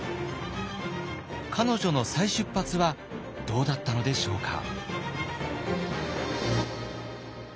彼女の再出発はどうだったのでしょうか。